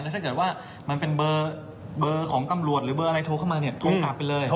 ถ้าเกิดว่ามันเป็นเบอร์ของตำรวจหรือเบอร์อะไรโทรเข้ามาเนี่ยโทรกลับไปเลย